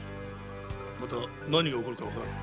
また何が起こるかわからん。